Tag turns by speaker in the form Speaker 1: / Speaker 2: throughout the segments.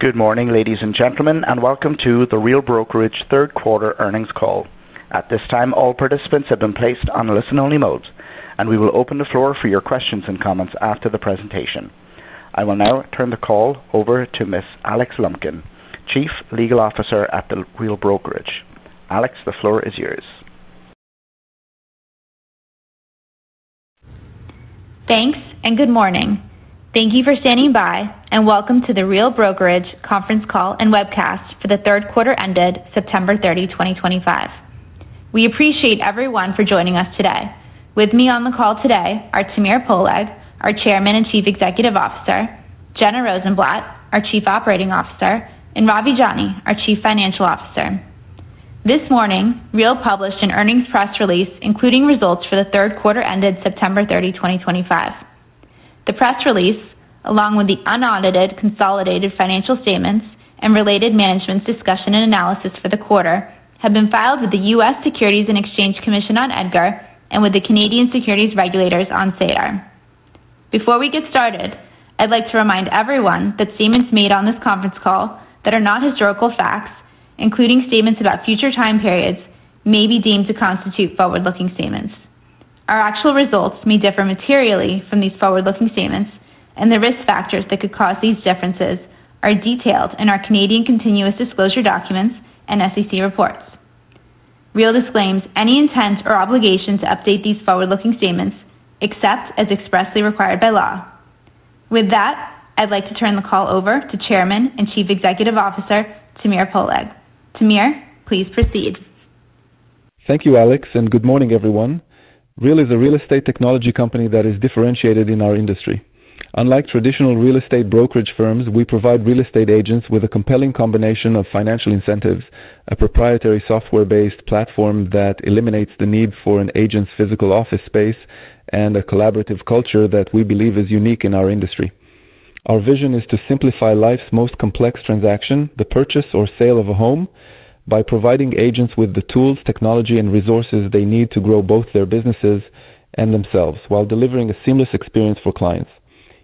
Speaker 1: Good morning ladies and gentlemen, and welcome to The Real Brokerage third quarter earnings call. At this time, all participants have been placed on listen-only mode, and we will open the floor for your questions and comments after the presentation. I will now turn the call over to Ms. Alix Lumpkin, Chief Legal Officer at The Real Brokerage. Alix, the floor is yours.
Speaker 2: Thanks and good morning. Thank you for standing by and welcome to the Real Brokerage Conference Call and Webcast for third quarter ended September 30, 2025. We appreciate everyone for joining us today. With me on the call today are Tamir Poleg, our Chairman and Chief Executive Officer, Jenna Rozenblat, our Chief Operating Officer, and Ravi Jani, our Chief Financial Officer. This morning Real published an earnings press release including results for the third quarter ended September 30, 2025. The press release, along with the unaudited consolidated financial statements and related management's discussion and analysis for the quarter, have been filed with the U.S. Securities and Exchange Commission on EDGAR and with the Canadian securities regulators on SEDAR. Before we get started, I'd like to remind everyone that statements made on this conference call that are not historical facts, including statements about future time periods, may be deemed to constitute forward looking statements. Our actual results may differ materially from these forward looking statements and the risk factors that could cause these differences are detailed in our Canadian Continuous Disclosure Documents and SEC Reports. Real disclaims any intent or obligation to update these forward looking statements except as expressly required by law. With that, I'd like to turn the call over to Chairman and Chief Executive Officer Tamir Poleg. Tamir, please proceed.
Speaker 3: Thank you, Alix, and good morning, everyone. Real is a real estate technology company that is differentiated in our industry. Unlike traditional real estate brokerage firms, we provide real estate agents with a compelling combination of financial incentives, a proprietary software-based platform that eliminates the need for an agent's physical office space, and a collaborative culture that we believe is unique in our industry. Our vision is to simplify life's most complex transaction, the purchase or sale of a home, by providing agents with the tools, technology, and resources they need to grow both their businesses and themselves while delivering a seamless experience for clients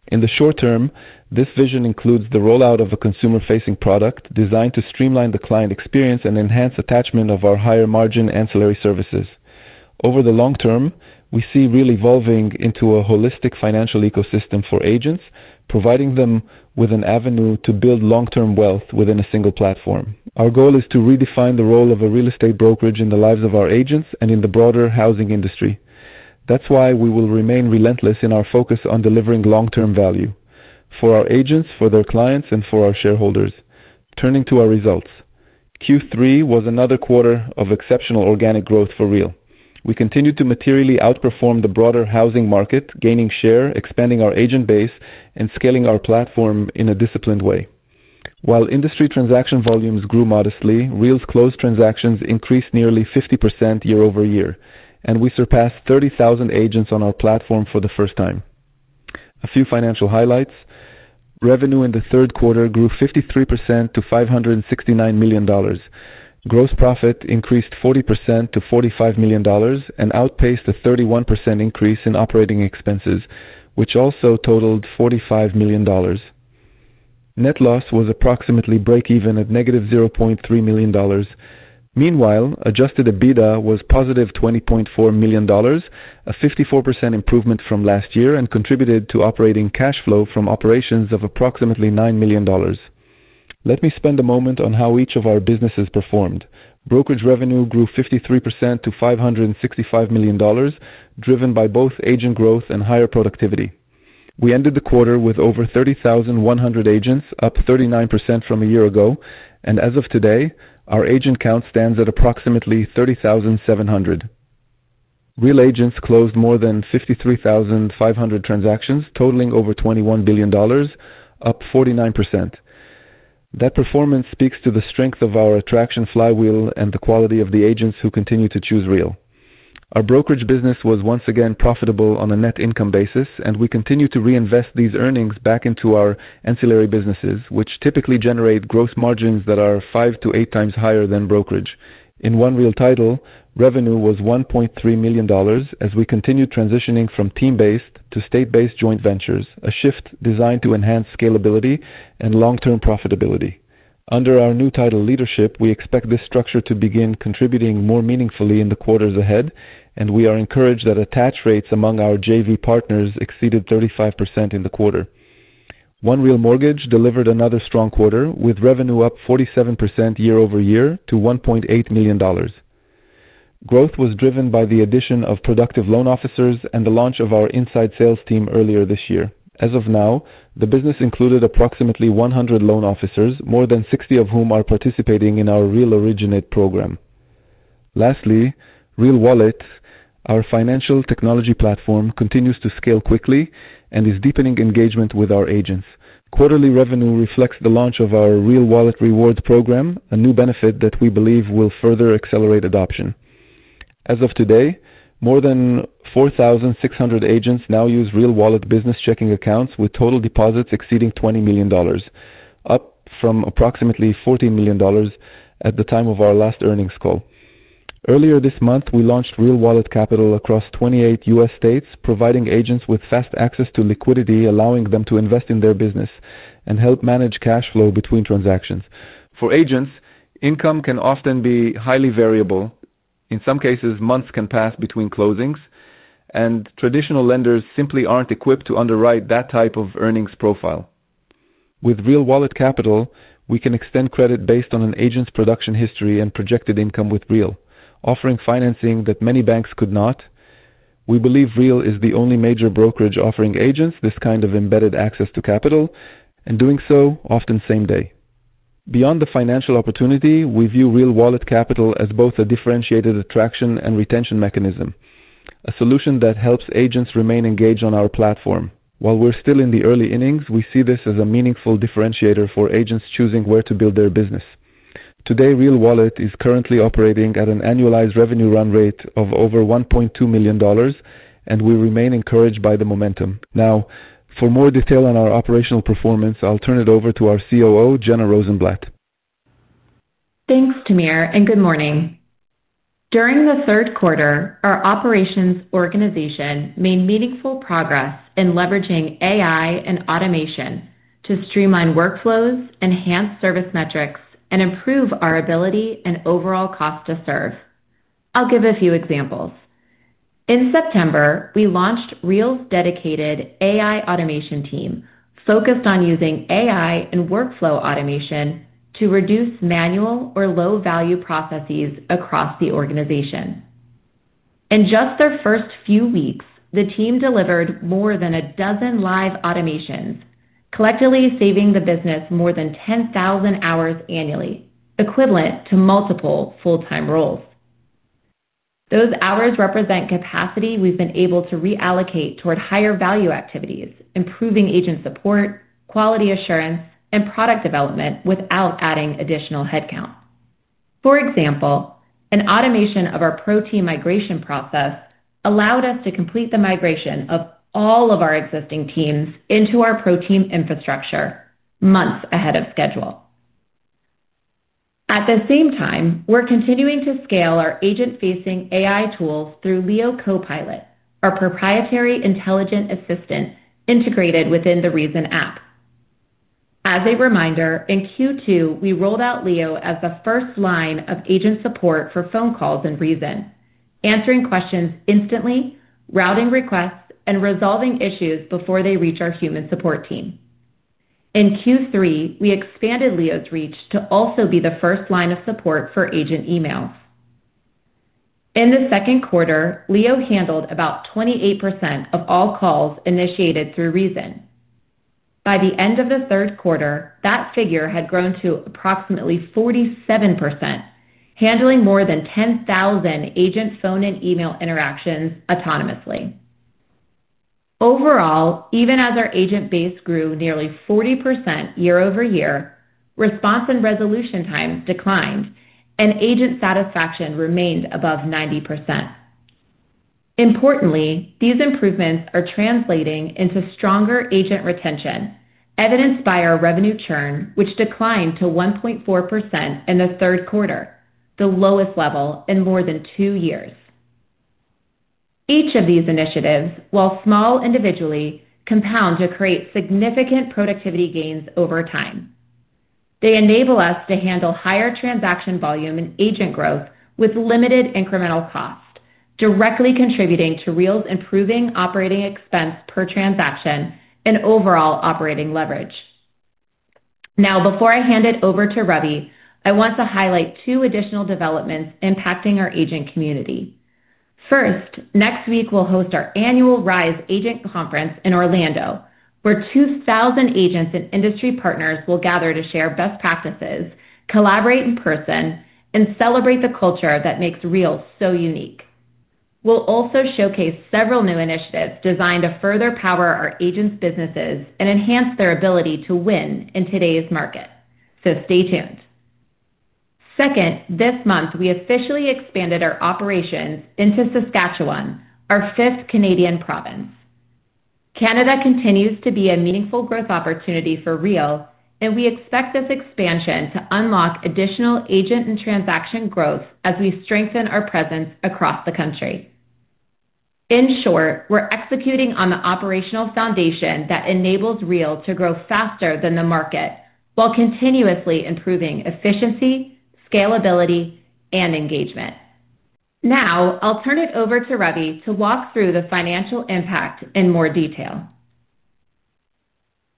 Speaker 3: in the short term. This vision includes the rollout of a consumer-facing product designed to streamline the client experience and enhance attachment of our higher margin ancillary services. Over the long term, we see Real evolving into a holistic financial ecosystem for agents, providing them with an avenue to build long-term wealth within a single platform. Our goal is to redefine the role of a real estate brokerage in the lives of our agents and in the broader housing industry. That is why we will remain relentless in our focus on delivering long-term value for our agents, for their clients, and for our shareholders. Turning to our results, Q3 was another quarter of exceptional organic growth for Real. We continued to materially outperform the broader housing market, gaining share, expanding our agent base, and scaling our platform in a disciplined way. While industry transaction volumes grew modestly, Real's closed transactions increased nearly 50% year over year, and we surpassed 30,000 agents on our platform for the first time. A few financial highlights: revenue in the third quarter grew 53% to $569 million. Gross profit increased 40% to $45 million and outpaced a 31% increase in operating expenses, which also totaled $45 million. Net loss was approximately breakeven at negative $0.3 million. Meanwhile, adjusted EBITDA was positive $20.4 million, a 54% improvement from last year and contributed to operating cash flow from operations of approximately $9 million. Let me spend a moment on how each of our businesses performed. Brokerage revenue grew 53% to $565 million, driven by both agent growth and higher productivity. We ended the quarter with over 30,100 agents, up 39% from a year ago, and as of today our agent count stands at approximately 30,700. Real agents closed more than 53,500 transactions totaling over $21 billion, up 49%. That performance speaks to the strength of our attraction flywheel and the quality of the agents who continue to choose Real. Our brokerage business was once again profitable on a net income basis, and we continue to reinvest these earnings back into our ancillary businesses, which typically generate gross margins that are five to eight times higher than brokerage. In One Real Title, revenue was $1.3 million as we continued transitioning from team-based to state-based joint ventures, a shift designed to enhance scalability and long-term profitability under our new title leadership. We expect this structure to begin contributing more meaningfully in the quarters ahead, and we are encouraged that attach rates among our JV partners exceeded 35% in the quarter. One Real Mortgage delivered another strong quarter with revenue up 47% year over year to $1.8 million. Growth was driven by the addition of productive loan officers and the launch of our inside sales team earlier this year. As of now, the business included approximately 100 loan officers, more than 60 of whom are participating in our Real Originate program. Lastly, Real Wallet, our financial technology platform, continues to scale quickly and is deepening engagement with our agents. Quarterly revenue reflects the launch of our Real Wallet reward program, a new benefit that we believe will further accelerate adoption. As of today, more than 4,600 agents now use Real Wallet business checking accounts, with total deposits exceeding $20 million, up from approximately $14 million at the time of our last earnings call. Earlier this month, we launched Real Wallet Capital across 28 U.S. states, providing agents with fast access to liquidity, allowing them to invest in their business and help manage cash flow between transactions. For agents, income can often be highly variable. In some cases, months can pass between closings, and traditional lenders simply aren't equipped to underwrite that type of earnings profile. With Real Wallet Capital, we can extend credit based on an agent's production history and projected income with Real, offering financing that many banks could not. We believe Real is the only major brokerage offering agents this kind of embedded access to capital and doing so often same day. Beyond the financial opportunity, we view Real Wallet Capital as both a differentiated attraction and retention mechanism, a solution that helps agents remain engaged on our platform. While we're still in the early innings, we see this as a meaningful differentiator for agents choosing where to build their business. Today, Real Wallet is currently operating at an annualized revenue run rate of over $1.2 million, and we remain encouraged by the momentum. Now, for more detail on our operational performance, I'll turn it over to our COO, Jenna Rozenblat.
Speaker 4: Thanks Tamir and good morning. During the third quarter, our operations organization made meaningful progress in leveraging AI and automation to streamline workflows, enhance service metrics, and improve our ability and overall cost to serve. I'll give a few examples. In September, we launched Real's dedicated AI automation team, focused on using AI and workflow automation to reduce manual or low value processes across the organization. In just their first few weeks, the team delivered more than a dozen live automations, collectively saving the business more than 10,000 hours annually, equivalent to multiple full time roles. Those hours represent capacity we've been able to reallocate toward higher value activities, improving agent support, quality assurance, and product development without adding additional headcount. For example, an automation of our Pro Team migration process allowed us to complete the migration of all of our existing teams into our Pro Team infrastructure months ahead of schedule. At the same time, we're continuing to scale our agent facing AI tools through LEO Copilot, our proprietary intelligent assistant integrated within the reZEN app. As a reminder, in Q2, we rolled out LEO as the first line of agent support for phone calls in reZEN, answering questions, instantly routing requests, and resolving issues before they reach our human support team. In Q3, we expanded LEO's reach to also be the first line of support for agent emails. In the second quarter, LEO handled about 28% of all calls initiated through reZEN. By the end of the third quarter, that figure had grown to approximately 47%, handling more than 10,000 agent phone and email interactions autonomously. Overall, even as our agent base grew nearly 40% year over year, response and resolution times declined and agent satisfaction remained above 90%. Importantly, these improvements are translating into stronger agent retention, evidenced by our revenue churn, which declined to 1.4% in the third quarter, the lowest level in more than two years. Each of these initiatives, while small, individually compound to create significant productivity gains over time. They enable us to handle higher transaction volume and agent growth with limited incremental cost, directly contributing to Real's improving operating expense per transaction and overall operating leverage. Now, before I hand it over to Ravi, I want to highlight two additional developments impacting our agent community. First, next week we'll host our annual Rise Agent Conference in Orlando where 2,000 agents and industry partners will gather to share best practices, collaborate in person, and celebrate the culture that makes Real so unique. We'll also showcase several new initiatives designed to further power our agents' businesses and enhance their ability to win in today's market. Stay tuned. Second, this month we officially expanded our operations into Saskatchewan, our fifth Canadian province. Canada continues to be a meaningful growth opportunity for Real, and we expect this expansion to unlock additional agent and transaction growth as we strengthen our presence across the country. In short, we're executing on the operational foundation that enables Real to grow faster than the market while continuously improving efficiency, scalability, and engagement. Now I'll turn it over to Ravi to walk through the financial impact in more detail.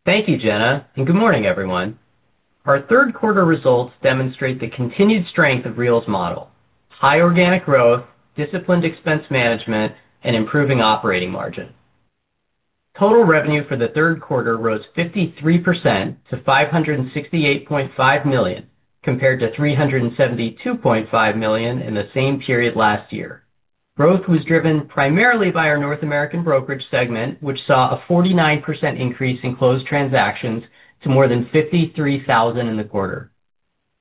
Speaker 5: Thank you Jenna and good morning everyone. Our third quarter results demonstrate the continued strength of Real's model, high organic growth, disciplined expense management, and improving operating margin. Total revenue for the third quarter rose 53% to $568.5 million compared to $372.5 million in the same period last year. Growth was driven primarily by our North American brokerage segment, which saw a 49% increase in closed transactions to more than 53,000 in the quarter.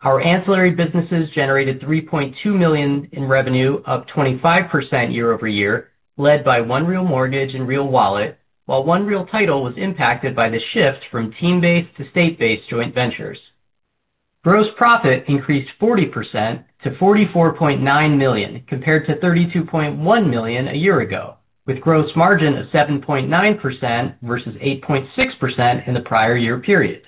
Speaker 5: Our ancillary businesses generated $3.2 million in revenue, up 25% year over year, led by One Real Mortgage and Real Wallet, while One Real Title was impacted by the shift from team-based to state-based joint ventures. Gross profit increased 40% to $44.9 million compared to $32.1 million a year ago, with gross margin of 7.9% versus 8.6% in the prior year period.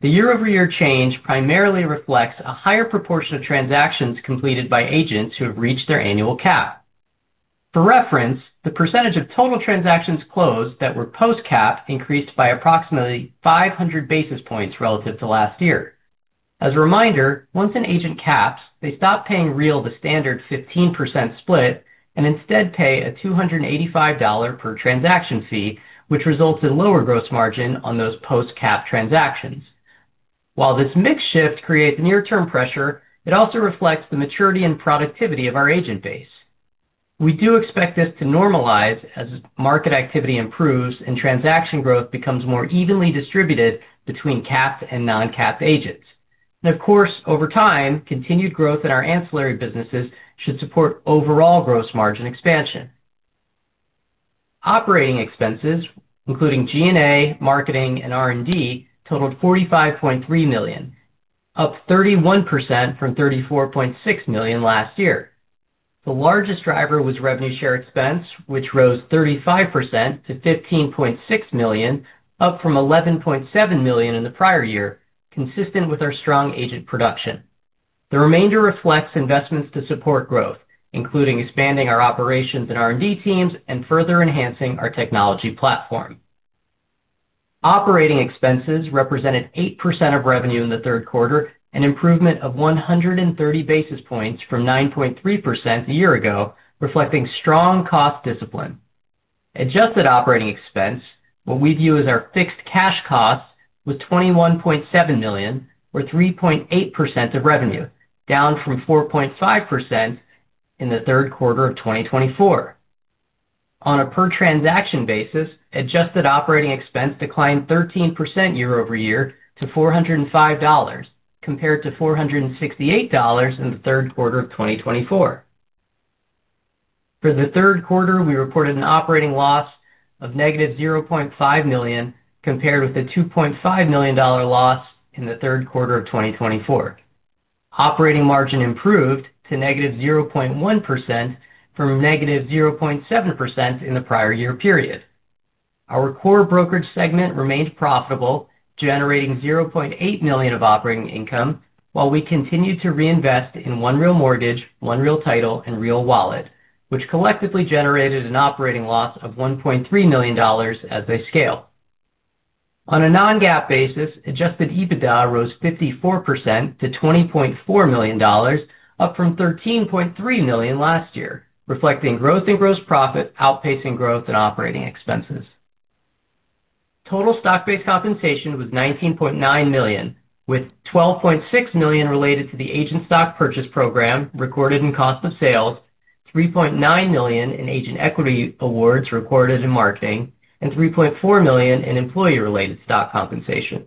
Speaker 5: The year over year change primarily reflects a higher proportion of transactions completed by agents who have reached their annual cap. For reference, the percentage of total transactions closed that were post cap increased by approximately 500 basis points relative to last year. As a reminder, once an agent caps, they stop paying Real the standard 15% split and instead pay a $285 per transaction fee, which results in lower gross margin on those post cap transactions. While this mix shift creates near term pressure, it also reflects the maturity and productivity of our agent base. We do expect this to normalize as market activity improves and transaction growth becomes more evenly distributed between capped and non-capped agents. Of course, over time, continued growth in our ancillary businesses should support overall gross margin expansion. Operating expenses, including G&A, marketing, and R&D, totaled $45.3 million, up 31% from $34.6 million last year. The largest driver was revenue share expense, which rose 35% to $15.6 million, up from $11.7 million in the prior year, consistent with our strong agent production. The remainder reflects investments to support growth, including expanding our operations and R&D teams and further enhancing our technology platform. Operating expenses represented 8% of revenue in the third quarter, an improvement of 130 basis points from 9.3% a year ago, reflecting strong cost discipline. Adjusted operating expense, what we view as our fixed cash cost, was $21.7 million, or 3.8% of revenue, down from 4.5% in the third quarter of 2024. On a per transaction basis, adjusted operating expense declined 13% year over year to $405 compared to $468 in the third quarter of 2024. For the third quarter, we reported an operating loss of negative $0.5 million compared with the $2.5 million loss in the third quarter of 2024. Operating margin improved to negative 0.1% from negative 0.7% in the prior year period. Our core brokerage segment remained profitable, generating $0.8 million of operating income. While we continue to reinvest in One Real Mortgage, One Real Title, and Real Wallet, which collectively generated an operating loss of $1.3 million as they scale on a non-GAAP basis. Adjusted EBITDA rose 54% to $20.4 million, up from $13.3 million last year, reflecting growth in gross profit outpacing growth in operating expenses. Total stock-based compensation was $19.9 million, with $12.6 million related to the agent stock purchase program recorded in cost of sales, $3.9 million in agent equity awards recorded in marketing, and $3.4 million in employee-related stock compensation.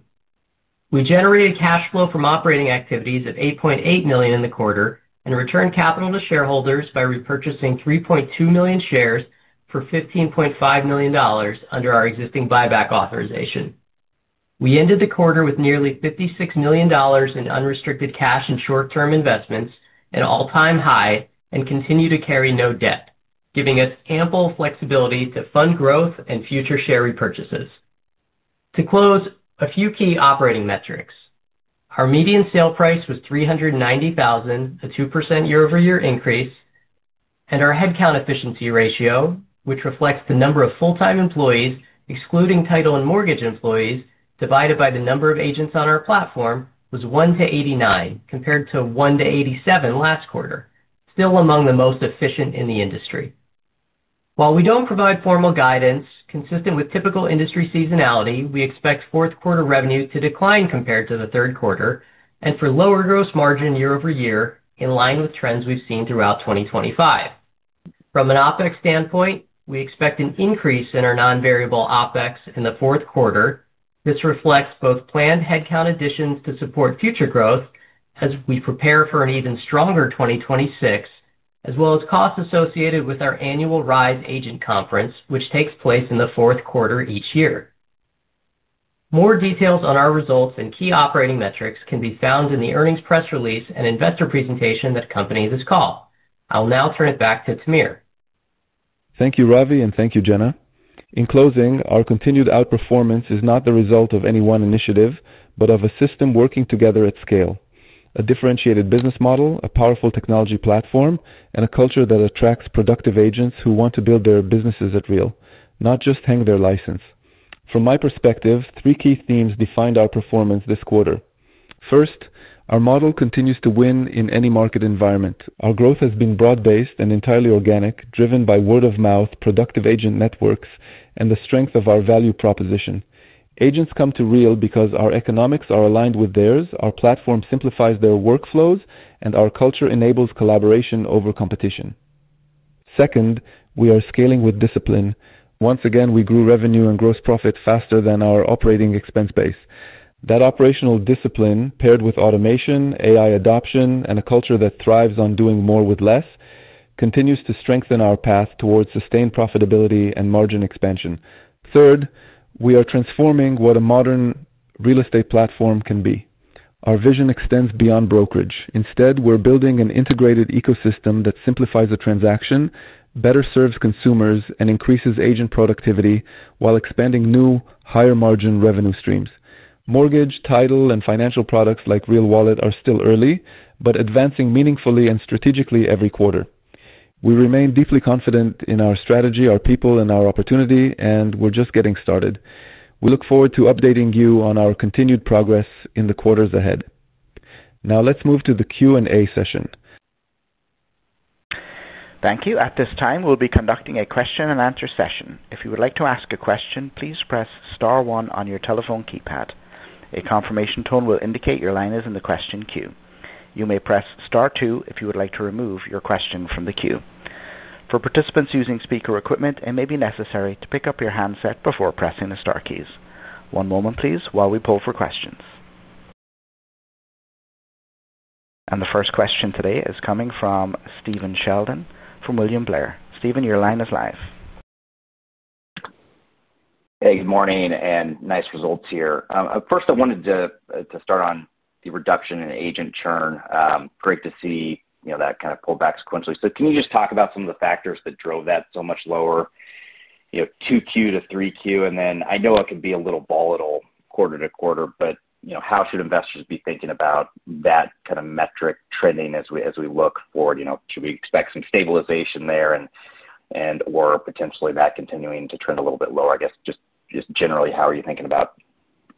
Speaker 5: We generated cash flow from operating activities of $8.8 million in the quarter and returned capital to shareholders by repurchasing 3.2 million shares for $15.5 million under our existing buyback authorization. We ended the quarter with nearly $56 million in unrestricted cash and short-term investments, an all-time high, and continue to carry no debt, giving us ample flexibility to fund growth and future share repurchases. To close, a few key operating metrics: our median sale price was $390,000, a 2% year over year increase, and our headcount efficiency ratio, which reflects the number of full-time employees excluding title and mortgage employees divided by the number of agents on our platform, was 1 to 89 compared to 1 to 87 last quarter, still among the most efficient in the industry. While we don't provide formal guidance, consistent with typical industry seasonality, we expect fourth quarter revenue to decline compared to the third quarter and for lower gross margin year over year, in line with trends we've seen throughout 2025. From an OpEx standpoint, we expect an increase in our non-variable OpEx in the fourth quarter. This reflects both planned headcount additions to support future growth as we prepare for an even stronger 2026 as well as costs associated with our annual Rise Agent Conference, which takes place in the fourth quarter each year. More details on our results and key operating metrics can be found in the earnings press release and investor presentation that accompany this call. I will now turn it back to Tamir.
Speaker 3: Thank you, Ravi, and thank you, Jenna. In closing, our continued outperformance is not the result of any one initiative, but of a system working together at scale, a differentiated business model, a powerful technology platform, and a culture that attracts productive agents who want to build their businesses at Real, not just hang their license. From my perspective, three key themes defined our performance this quarter. First, our model continues to win in any market environment. Our growth has been broad based and entirely organic, driven by word of mouth, productive agent networks, and the strength of our value proposition. Agents come to Real because our economics are aligned with theirs, our platform simplifies their workflows, and our culture enables collaboration over competition. Second, we are scaling with discipline. Once again, we grew revenue and gross profit faster than our operating expense base. That operational discipline, paired with automation, AI adoption, and a culture that thrives on doing more with less, continues to strengthen our path towards sustained profitability and margin expansion. Third, we are transforming what a modern real estate platform can be. Our vision extends beyond brokerage. Instead, we're building an integrated ecosystem that simplifies a transaction, better serves consumers, and increases agent productivity while expanding new higher margin revenue streams. Mortgage, title, and financial products like Real Wallet are still early, but advancing meaningfully and strategically every quarter. We remain deeply confident in our strategy, our people, and our opportunity. We're just getting started. We look forward to updating you on our continued progress in the quarters ahead. Now let's move to the Q and A session.
Speaker 1: Thank you. At this time, we'll be conducting a question and answer session. If you would like to ask a question, please press Star one on your telephone keypad. A confirmation tone will indicate your line is in the question queue. You may press Star two if you would like to remove your question from the queue. For participants using speaker equipment, it may be necessary to pick up your handset before pressing the star keys. One moment, please, while we poll for questions. The first question today is coming from Stephen Sheldon from William Blair. Stephen, your line is live.
Speaker 6: Hey, good morning. Nice results here. First, I wanted to start on the reduction in agent churn. Great to see that kind of pullback sequentially. Can you just talk about some of the factors that drove that so much lower, 2Q to 3Q? I know it could be a little volatile quarter to quarter, but how should investors be thinking about that kind of metric trending as we look forward? Should we expect some stabilization there or potentially that continuing to trend a little bit lower? I guess, just generally, how are you thinking about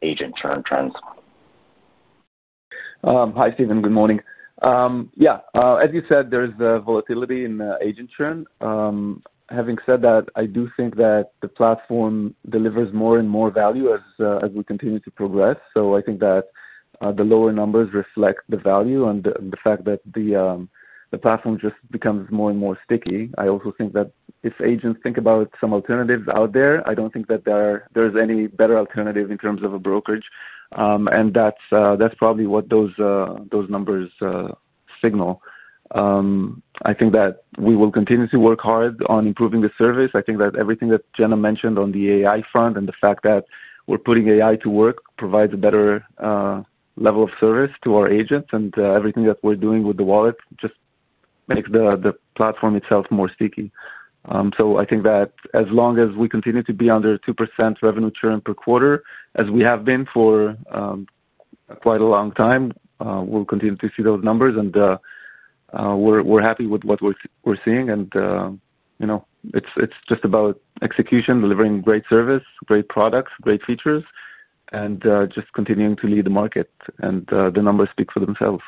Speaker 6: agent churn trends?
Speaker 3: Hi, Stephen. Good morning. Yeah, as you said, there is volatility in agent churn. Having said that, I do think that the platform delivers more and more value as we continue to progress. I think that the lower numbers reflect the value and the fact that the platform just becomes more and more sticky. I also think that if agents think about some alternatives out there, I don't think that there is any better alternative in terms of a brokerage. That's probably what those numbers signal. I think that we will continue to work hard on improving the service. I think that everything that Jenna mentioned on the AI front and the fact that we're putting AI to work provides a better level of service to our agents. Everything that we're doing with the wallet just makes the platform itself more sticky. I think that as long as we continue to be under 2% revenue churn per quarter, as we have been for quite a long time, we'll continue to see those numbers and we're happy with what we're seeing. You know, it's just about execution, delivering great service, great products, great features and just continuing to lead the market. The numbers speak for themselves.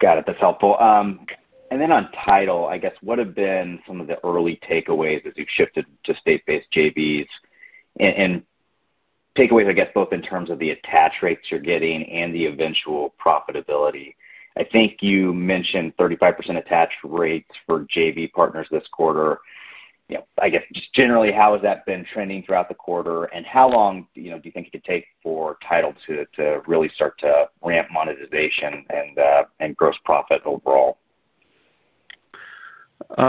Speaker 6: Got it. That's helpful. On Title, I guess what. Have been some of the early takeaways. As you've shifted to state-based joint ventures and takeaways? I guess both in terms of the attach rates you're getting and the eventual profitability? I think you mentioned 35% attach rates for JV partners this quarter. I guess generally how has that been trending throughout the quarter and how long do you think it could take for Title to really start to ramp monetization and gross profit overall?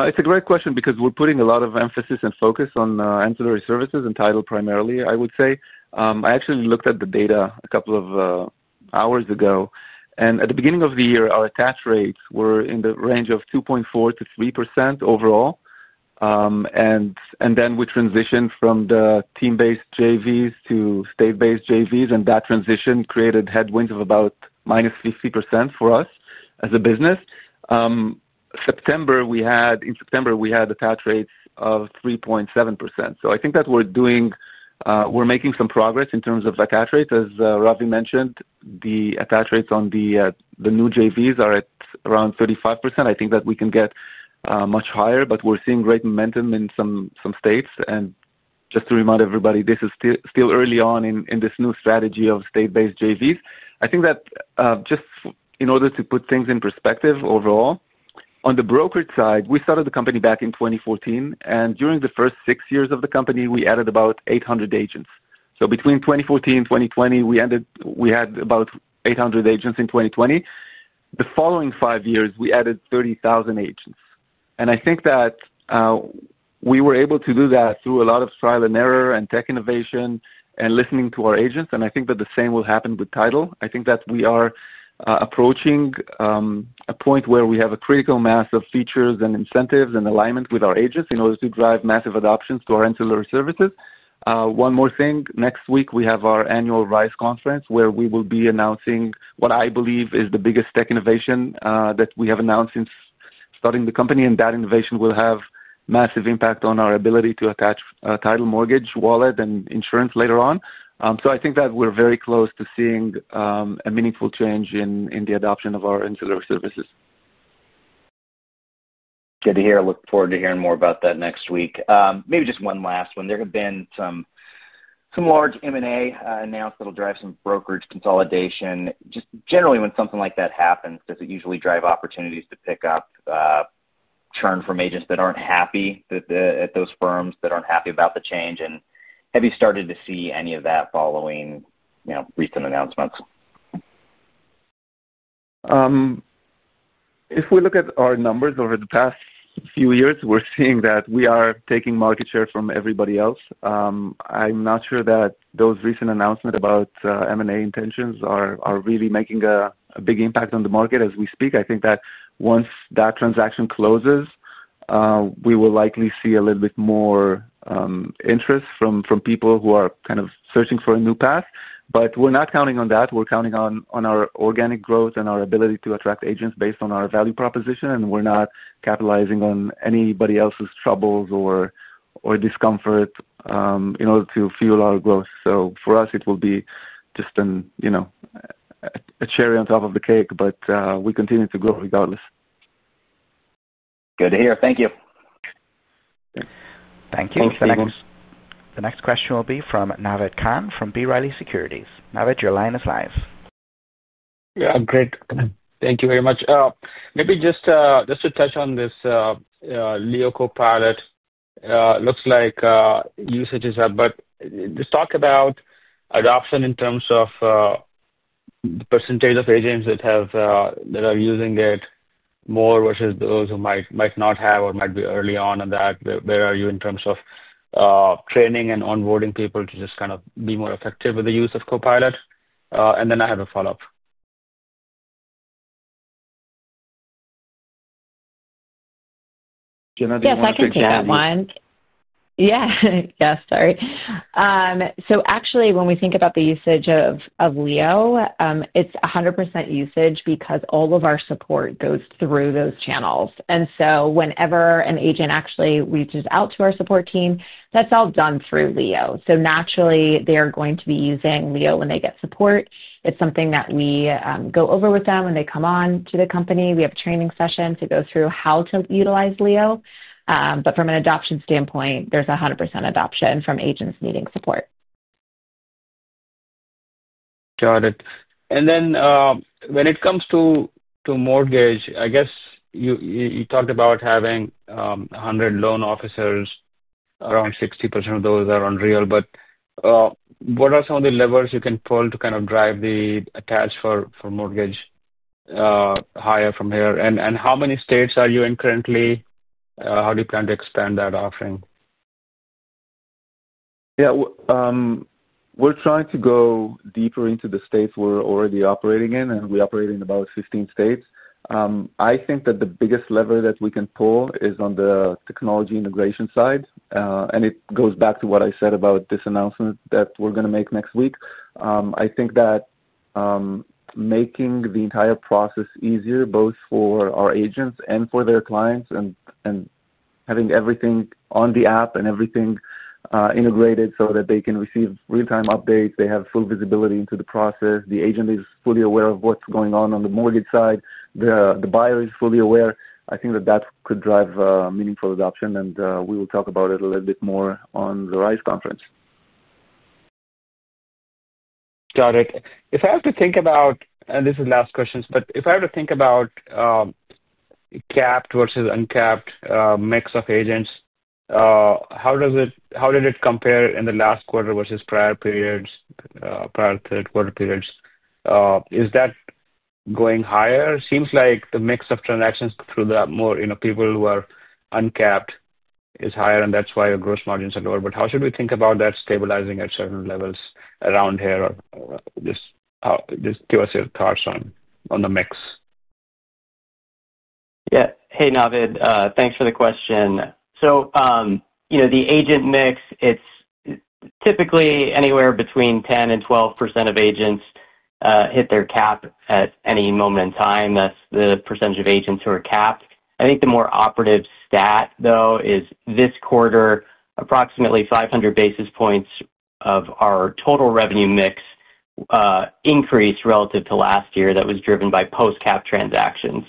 Speaker 3: It's a great question because we're putting a lot of emphasis and focus on ancillary services and title primarily, I would say. I actually looked at the data a couple of hours ago and at the beginning of the year our attach rates were in the range of 2.4% to 3% overall. We transitioned from the team-based JVs to state-based JVs and that transition created headwinds of about -50% for us as a business. In September, we had attach rates of 3.7%. I think that we're making some progress in terms of attach rate. As Ravi mentioned, the attach rates on the new JVs are at around 35%. I think that we can get much higher, but we're seeing great momentum in some states. Just to remind everybody, this is still early on in this new strategy of state-based JVs. I think that just in order to put things in perspective overall on the brokerage side, we started the company back in 2014 and during the first six years of the company we added about 800 agents. So between 2014 and 2020 we had about 800 agents. In 2020, the following five years we added 30,000 agents. I think that we were able to do that through a lot of trial and error and tech innovation and listening to our agents. I think that the same will happen with Title. I think that we are approaching a point where we have a critical mass of features and incentives and alignment with our agents in order to drive massive adoptions to our ancillary services. One more thing. Next week we have our annual Rise Agent Conference where we will be announcing what I believe is the biggest tech innovation that we have announced since starting the company. That innovation will have massive impact on our ability to attach title, mortgage, wallet and insurance later on. I think that we're very close to seeing a meaningful change in the adoption of our ancillary services.
Speaker 6: Good to hear. Look forward to hearing more about that next week. Maybe just one last one. There have been some large M&A announced that will drive some brokerage consolidation. Generally, when something like that happens, does it usually drive opportunities to pick up churn from agents that aren't happy at those firms that aren't happy about the change? Have you started to see any of that following recent announcements?
Speaker 3: If we look at our numbers over the past few years, we're seeing that we are taking market share from everybody else. I'm not sure that those recent announcements about M&A intentions are really making a big impact on the market as we speak. I think that once that transaction closes, we will likely see a little bit more interest from people who are kind of searching for a new path. We're not counting on that. We're counting on our organic growth and our ability to attract agents based on our value proposition. We're not capitalizing on anybody else's troubles or discomfort in order to fuel our growth. For us it will be just a cherry on top of the cake. We continue to grow regardless.
Speaker 6: Good to hear. Thank you.
Speaker 3: Thank you.
Speaker 1: The next question will be from Naved Khan from B. Riley Securities. Naved, your line is live.
Speaker 7: Great, thank you very much. Maybe just to touch on this LEO Copilot. Looks like usage is up, but just talk about adoption in terms of the percentage of agents that are using it more versus those who might not have or might be early on in that. Where are you in terms of training and onboarding people to just kind of be more effective with the use of Copilot? I have a follow up.
Speaker 4: Yes, I can say that one. Actually, when we think about the usage of LEO Copilot, it's 100% usage. All of our support goes through those channels. Whenever an agent actually reaches out to our support team, that's all done through LEO Copilot. Naturally, they are going to be using LEO Copilot when they get support. It's something that we go over with them when they come on to the company. We have training sessions to go through how to utilize LEO Copilot. From an adoption standpoint, there's 100% adoption from agents needing support.
Speaker 7: Got it. And then when it comes to mortgage, I guess you talked about having 100 loan officers, around 60% of those are on Real. What are some of the levers you can pull to kind of drive the attach for mortgage higher from here? How many states are you in currently? How do you plan to expand that offering?
Speaker 3: Yeah, we're trying to go deeper into the states we're already operating in. We operate in about 15 states. I think that the biggest lever that we can pull is on the technology integration side. It goes back to what I said about this announcement that we're going to make next week. I think that making the entire process easier, both for our agents and for their clients, and having everything on the app and everything integrated so that they can receive real-time updates, they have full visibility into the process, the agent is fully aware of what's going on on the mortgage side, the buyer is fully aware. I think that that could drive meaningful adoption. We will talk about it a little bit more on the Rise Agent Conference.
Speaker 7: Got it. If I have to think about this is last question, but if I were. To think about. Capped versus uncapped mix of agents, how did it compare in the last quarter versus prior periods, prior third quarter periods? Is that going higher? Seems like the mix of transactions through the more, you know, people who are uncapped is higher, and that's why your gross margins are lower. How should we think about that stabilizing at certain levels around here? Just give us your thoughts on the mix.
Speaker 5: Yeah. Hey Naved, thanks for the question. The agent mix, it's typically anywhere between 10% and 12% of agents hit their cap at any moment in time. That's the percentage of agents who are capped. I think the more operative stat though is this quarter, approximately 500 basis points of our total revenue mix increased relative to last year. That was driven by post cap transactions.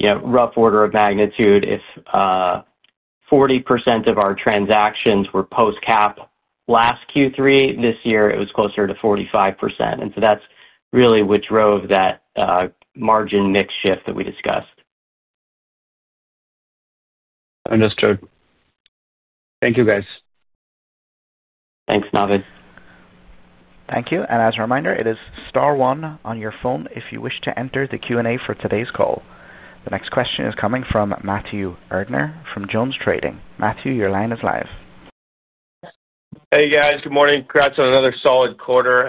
Speaker 5: Rough order of magnitude, if 40% of our transactions were post cap last Q3, this year it was closer to 45%. That's really what drove that margin mix shift that we discussed.
Speaker 7: Understood. Thank you, guys.
Speaker 5: Thanks Naved.
Speaker 1: Thank you. As a reminder, it is Star one on your phone if you wish to enter the Q&A for today's call. The next question is coming from Matthew Erdner from JonesTrading. Matthew, your line is live.
Speaker 8: Hey guys, good morning. Congrats on another solid quarter.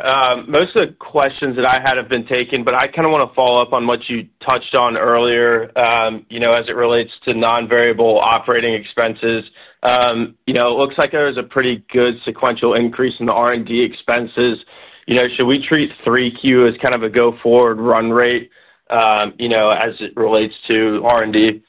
Speaker 8: Most of the questions that I had have been taken, but I kind of want to follow up on what you touched on earlier as it relates to non-variable operating expenses. It looks like there is a pretty good sequential increase in the R&D expenses. Should we treat 3Q as kind of a go-forward run rate as it relates to R&D?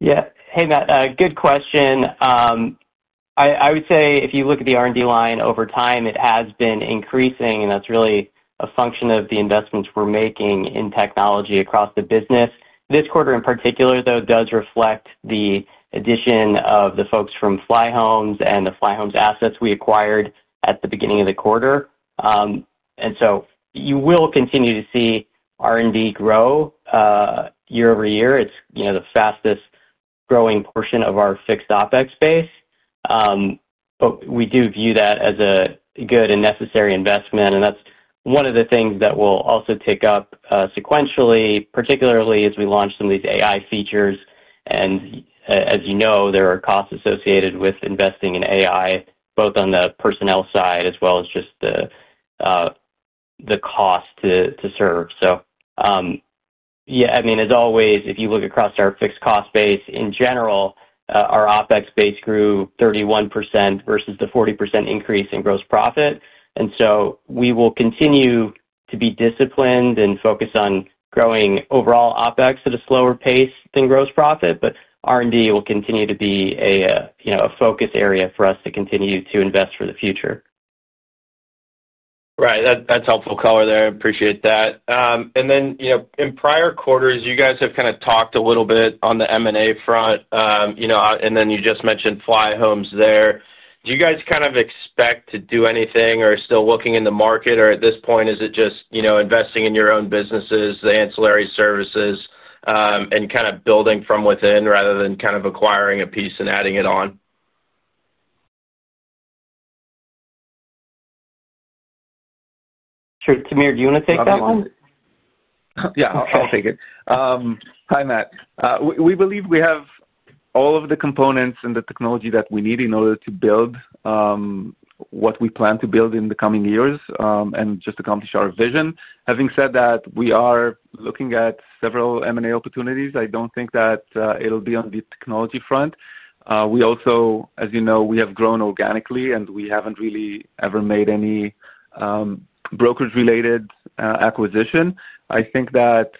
Speaker 5: Yeah. Hey, Matt, good question. I would say if you look at the R&D line, over time it has been increasing, and that's really a function of the investments we're making in technology across the business. This quarter in particular, though, does reflect the addition of the folks from Flyhomes and the Flyhomes assets we acquired at the beginning of the quarter. You will continue to see R&D grow year over year. It's the fastest growing portion of our fixed OpEx base. We do view that as a good and necessary investment. That's one of the things that will also tick up sequentially, particularly as we launch some of these AI features. As you know, there are costs associated with investing in AI, both on the personnel side as well as just the cost to serve. If you look across our fixed cost base in general, our OpEx base grew 31% versus the 40% increase in gross profit. We will continue to be disciplined and focus on growing overall OpEx at a slower pace than gross profit. R&D will con tinue to be a focus area for us to continue to invest for the future. Right. That's helpful color there. I appreciate that. In prior quarters, you guys have kind of talked a little bit on the M&A front and then you just mentioned Flyhomes there. Do you guys kind of expect to do anything or still looking in the market or at this point, is it just investing in your own businesses, the ancillary services and kind of building from within rather than kind of acquiring a piece and adding it on? Sure. Tamir, do you want to take that one?
Speaker 3: Yeah, I'll take it. Hi, Matt. We believe we have all of the components and the technology that we need in order to build what we plan to build in the coming years and just accomplish our vision. Having said that, we are looking at several M&A opportunities. I don't think that it'll be on the technology front. As you know, we have grown organically and we haven't really ever made any brokerage related acquisition. I think that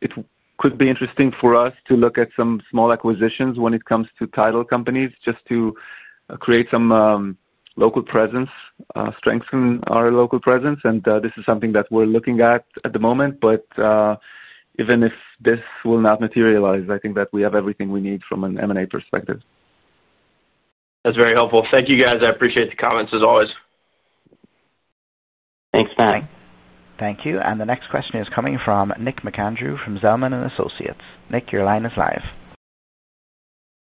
Speaker 3: it could be interesting for us to look at some small acquisitions when it comes to title companies just to create some local presence, strengthen our local presence. This is something that we're looking at at the moment. Even if this will not materialize, I think that we have everything we need from an M&A perspective.
Speaker 8: That's very helpful. Thank you, guys. I appreciate the comments as always.
Speaker 3: Thanks, Matt.
Speaker 1: Thank you. The next question is coming from Nick McAndrew from Zelman & Associates. Nick, your line is live.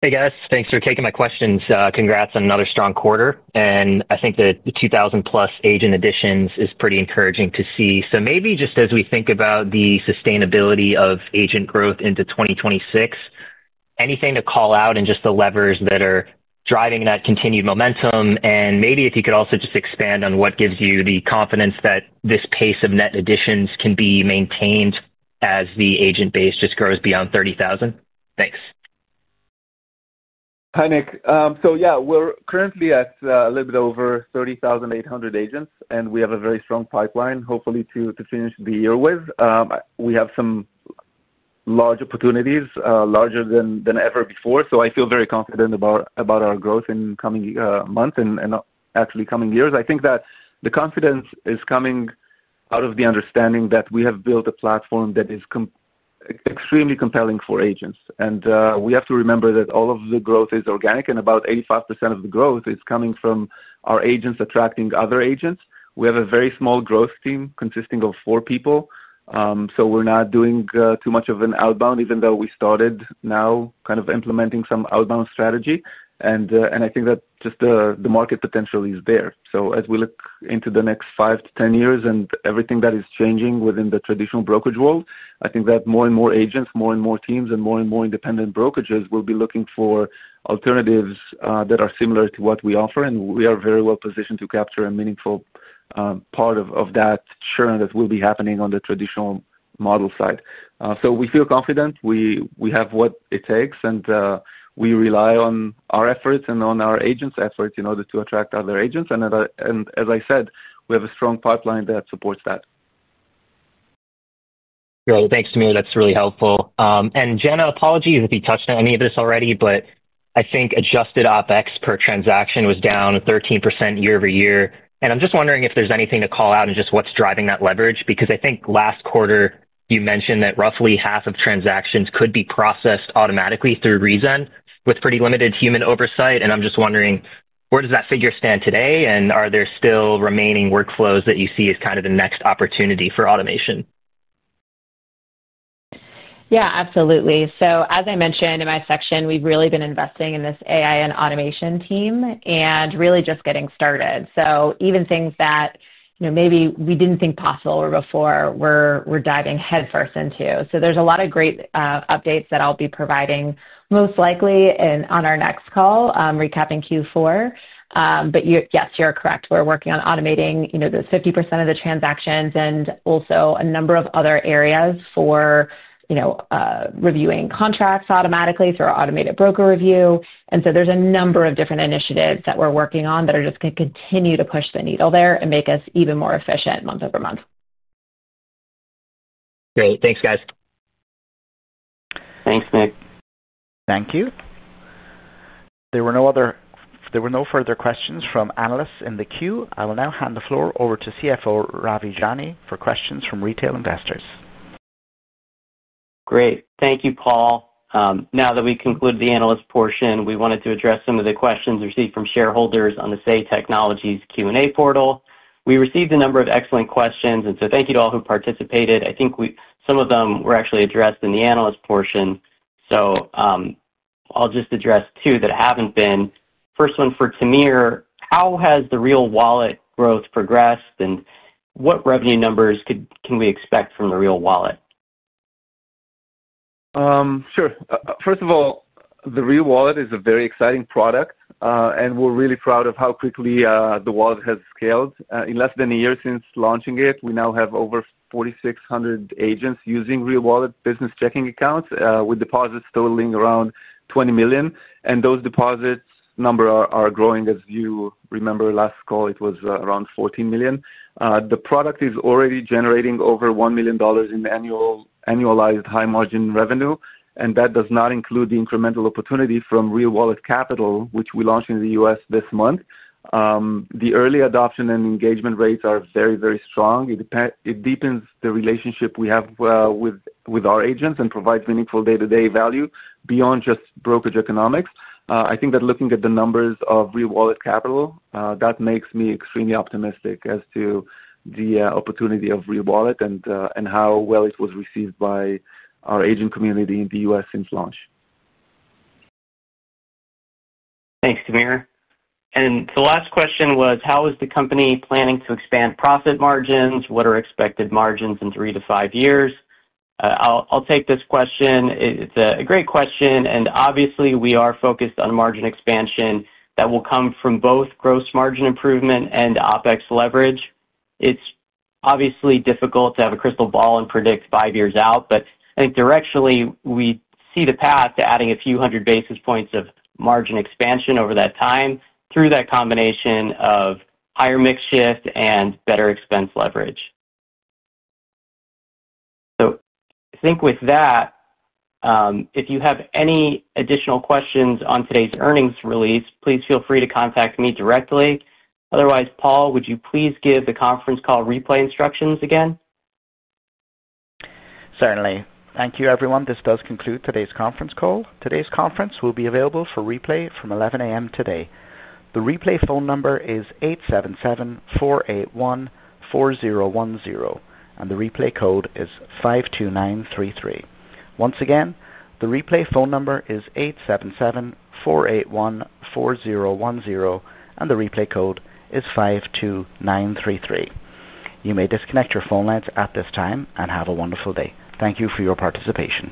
Speaker 9: Hey guys, thanks for taking my questions. Congrats on another strong quarter. I think the 2,000+ agent additions is pretty encouraging to see. As we think about the sustainability of agent growth into 2026, is there anything to call out and the levers that are driving that continued momentum? If you could also just expand on what gives you the confidence that this pace of net additions can be maintained as the agent base grows beyond 30,000.
Speaker 3: Thanks. Hi, Nick. We're currently at a little bit over 30,800 agents and we have a very strong pipeline, hopefully to finish the year with. We have some large opportunities, larger than ever before. I feel very confident about our growth in coming months and actually coming years. I think that the confidence is coming out of the understanding that we have built a platform that is extremely compelling for agents. We have to remember that all of the growth is organic and about 85% of the growth is coming from our agents attracting other agents. We have a very small growth team consisting of four people, so we're not doing too much of an outbound, even though we started now kind of implementing some outbound strategy. I think that just the market potential is there. As we look into the next five to 10 years and everything that is changing within the traditional brokerage world, I think that more and more agents, more and more teams, and more and more independent brokerages will be looking for alternatives that are similar to what we offer. We are very well positioned to capture a meaningful part of that churn that will be happening on the traditional model side. We feel confident we have what it takes and we rely on our efforts and on our agents' efforts in order to attract other agents. As I said, we have a strong pipeline that supports that.
Speaker 9: Great. Thanks, Tamir. That's really helpful. Jenna, apologies if you touched on any of this already, but I think adjusted OpEx per transaction was down 13% year over year. I'm just wondering if there's anything to call out and what's driving that leverage, because I think last quarter you mentioned that roughly half of transactions could be processed automatically through reZEN with pretty limited human oversight. I'm just wondering, where does that figure stand today? Are there still remaining workflows that you see as kind of the next opportunity for automation?
Speaker 4: Absolutely. As I mentioned in my section, we've really been investing in this AI and automation team and really just getting started. Even things that maybe we didn't think possible before, we're diving headfirst into. There's a lot of great updates that I'll be providing, most likely on our next call recapping Q4. Yes, you're correct, we're working on automating the 50% of the transactions and also a number of other areas for reviewing contracts automatically through our automated broker review. There's a number of different initiatives that we're working on that are just going to continue to push the needle there and make us even more efficient month over month.
Speaker 9: Great. Thanks, guys.
Speaker 3: Thanks, Nick.
Speaker 1: Thank you. There were no further questions from analysts in the queue. I will now hand the floor over to CFO Ravi Jani for questions from retail investors.
Speaker 5: Great. Thank you, Paul. Now that we conclude the analyst portion, we wanted to address some of the questions received from shareholders on the Say Technologies Q&A portal. We received a number of excellent questions, and thank you to all who participated. I think some of them were actually addressed in the analyst portion. I'll just address two that haven't been. First one for Tamir, how has the Real Wallet growth progressed and what revenue numbers can we expect from the Real Wallet?
Speaker 3: Sure. First of all, the Real Wallet is a very exciting product and we're really proud of how quickly the wallet has scaled. In less than a year since launching it, we now have over 4,600 agents using Real Wallet business checking accounts with deposits totaling around $20 million. Those deposits numbers are growing. As you remember, last call it was around $14 million. The product is already generating over $1 million in annualized high margin revenue, and that does not include the incremental opportunity from Real Wallet Capital, which we launched in the U.S. this month. The early adoption and engagement rates are very, very strong. It deepens the relationship we have with our agents and provides meaningful day-to-day value beyond just brokerage economics. I think that looking at the numbers of Real Wallet Capital, that makes me extremely optimistic as to the opportunity of Real Wallet and how well it was received by our agent community in the U.S. since launch.
Speaker 5: Thanks, Tamir. The last question was how is the company planning to expand profit margins? What are expected margins in three to five years? I'll take this question. It's a great question and obviously we are focused on margin expansion that will come from both gross margin improvement and OpEx leverage. It's obviously difficult to have a crystal ball and predict five years out, but I think directionally we see the path to adding a few hundred basis points of margin expansion over that time through that combination of higher mix shift and better expense leverage. If you have any additional questions on today's earnings release, please feel free to contact me directly. Otherwise, Paul, would you please give the conference call replay instructions again?
Speaker 1: Certainly.. Thank you everyone. This does conclude today's conference call. Today's conference will be available for replay from 11:00 A.M. today. The replay phone number is 877-481-4010 and the replay code is 52933. Once again, the replay phone number is 877-481-4010 and the replay code is 52933. You may disconnect your phone lines at this time and have a wonderful day. Thank you for your participation.